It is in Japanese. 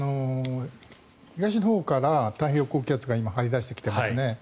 東のほうから太平洋高気圧が今、張り出してきてますね。